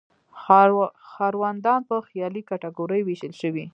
ښاروندان په خیالي کټګوریو ویشل شوي.